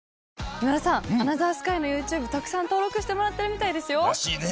今田さん『アナザースカイ』のＹｏｕＴｕｂｅたくさん登録してもらってるみたいですよ。らしいね。